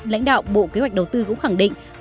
lãnh đạo bộ kế hoạch đầu tư cũng khẳng định